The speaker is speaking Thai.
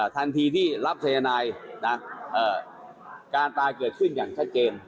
ทันทีที่รับสายนายการตายเกิดขึ้นอย่างชัดเจน